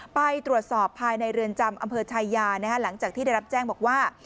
ไปตรวจสอบภายในเรือนจำอำเภอชายาหลังจากที่ได้รับแจ้งบอกว่า